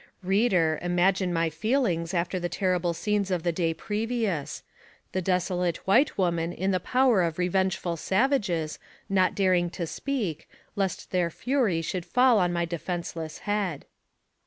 Reader, imagine my feelings, after the terrible scenes of the day previous; the desolate white woman in the AMONG THE SIOUX INDIANS. 53 power of revengeful savages, not daring to speak, lest their fury should fall on my defenceless head.